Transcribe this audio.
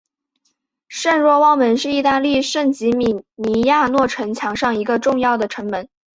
圣若望门是意大利圣吉米尼亚诺城墙上最重要的一个城门。